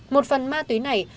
một phần ma túy này